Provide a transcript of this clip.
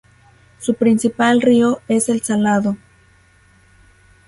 Su principal río es el Salado.